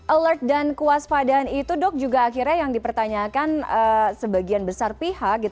alert dan kewaspadaan itu dok juga akhirnya yang dipertanyakan sebagian besar pihak